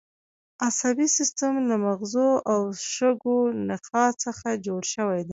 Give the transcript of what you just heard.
عصبي سیستم له مغزو او شوکي نخاع څخه جوړ شوی دی